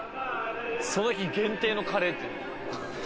その日限定のカレー。